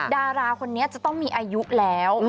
ดาราคนนี้จะต้องมีอายุแล้ว